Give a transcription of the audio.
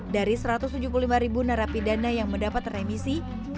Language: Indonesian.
dari satu ratus tujuh puluh lima ribu narapidana yang mendapat remisi